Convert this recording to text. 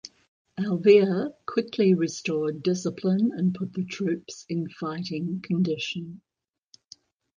Alvear quickly restored discipline and put the troops in fighting condition.